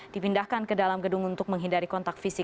dipindahkan ke dalam gedung untuk menghindari kontak fisik